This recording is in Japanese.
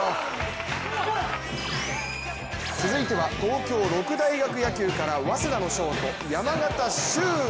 続いては東京・六大学野球から早稲田のショート・山縣秀。